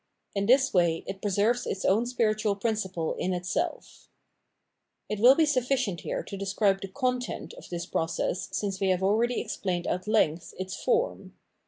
In this way it preserves its own spiritual principle in itself. It wiU be s uffi cient here to describe the content of this process since we have already explained at length its form.